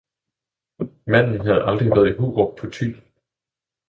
Manden havde aldrig været i Hurup på Thy